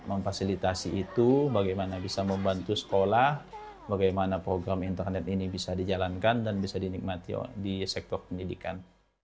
memfasilitasi itu bagaimana bisa membantu sekolah bagaimana program internet ini bisa dijalankan dan bisa dinikmati di sektor pendidikan